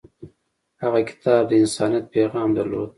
هغه کتاب د انسانیت پیغام درلود.